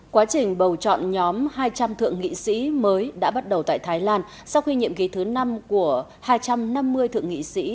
quá trình bầu chọn nhóm hai trăm linh thượng nghị sĩ mới đã bắt đầu tại thái lan sau khi nhiệm ký thứ năm của hai trăm năm mươi thượng nghị sĩ